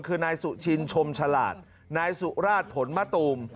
คือนายสุชินชมฉลาดนายสุราชผลมะตูม